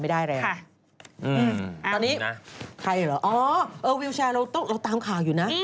เอาอยู่นะไทยเหรออ๋อวิวแชร์เราต้องตามข่าวอยู่นะ